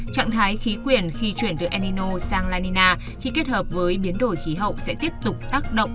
trạng thái khí quyển khi chuyển từ el nino sang la nina khi kết hợp với biến đổi khí hậu sẽ tiếp tục tác động